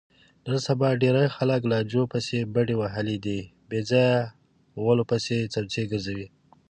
نن سبا ډېری خلکو لانجو پسې بډې وهلي دي، بېځایه غولو پسې څمڅې ګرځوي.